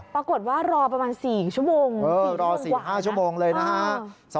ปรากฏว่ารอประมาณ๔ชั่วโมงคือรอ๔๕ชั่วโมงเลยนะฮะ